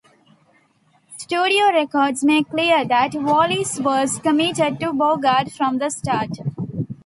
Studio records make clear that Wallis was committed to Bogart from the start.